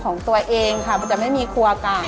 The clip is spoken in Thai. การที่บูชาเทพสามองค์มันทำให้ร้านประสบความสำเร็จ